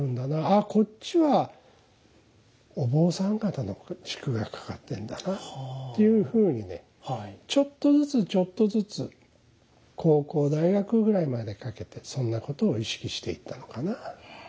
あこっちはお坊さん方の軸が掛かってんだなっていうふうにねちょっとずつちょっとずつ高校大学ぐらいまでかけてそんなことを意識していったのかな。